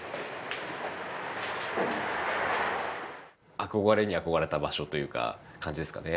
憧れに憧れた場所というか感じですかね